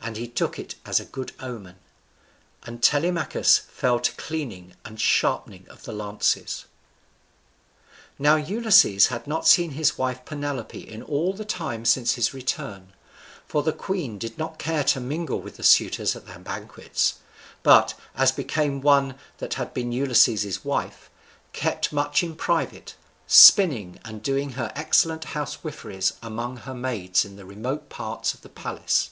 And he took it for a good omen. And Telemachus fell to cleaning and sharpening of the lances. Now Ulysses had not seen his wife Penelope in all the time since his return; for the queen did not care to mingle with the suitors at their banquets, but, as became one that had been Ulysses's wife, kept much in private, spinning and doing her excellent housewiferies among her maids in the remote apartments of the palace.